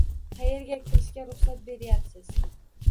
Qayerga kirishga ruxsat beryapsiz